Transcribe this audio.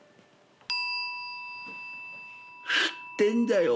知ってんだよ